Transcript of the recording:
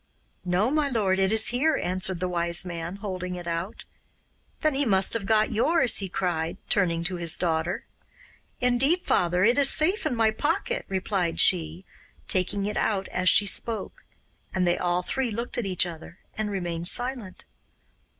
'No, my lord, it is here,' answered the Wise Man, holding it out. 'Then he must have got yours,' he cried, turning to his daughter. 'Indeed, father, it is safe in my pocket,' replied she, taking it out as she spoke; and they all three looked at each other and remained silent.